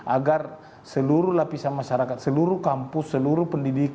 agar seluruh lapisan masyarakat seluruh kampus seluruh pendidikan